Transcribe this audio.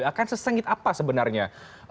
bahkan sesengit apa sebenarnya